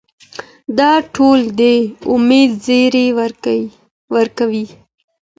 دا ټول د امید زیری ورکوي.